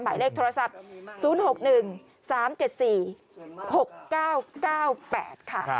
หมายเลขโทรศัพท์๐๖๑๓๗๔๖๙๙๘ค่ะ